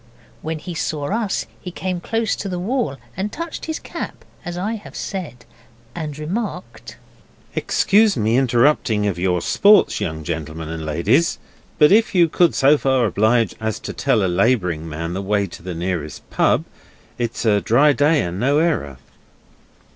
When he saw us he came close to the wall, and touched his cap, as I have said, and remarked 'Excuse me interrupting of your sports, young gentlemen and ladies, but if you could so far oblige as to tell a labouring man the way to the nearest pub. It's a dry day and no error.